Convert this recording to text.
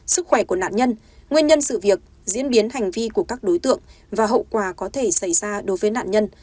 sức khỏe của nạn nhân nguyên nhân sự việc diễn biến hành vi của các đối tượng và hậu quả có thể xảy ra đối với nạn nhân